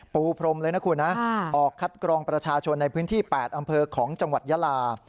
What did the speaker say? ปูพรมเลยนะคุณนะออกคัดกรองประชาชนในพื้นที่๘อำเภอของจังหวัดยาลา